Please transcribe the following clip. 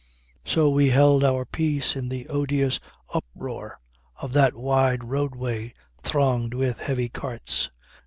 So we held our peace in the odious uproar of that wide roadway thronged with heavy carts.